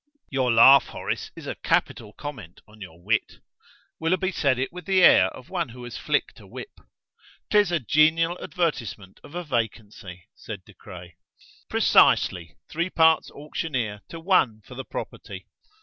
"Your laughter, Horace, is a capital comment on your wit." Willoughby said it with the air of one who has flicked a whip. "'Tis a genial advertisement of a vacancy," said De Craye. "Precisely: three parts auctioneer to one for the property."